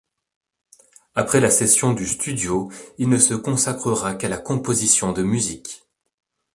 Après la cession du studio il ne se consacrera qu'à la composition de musiques.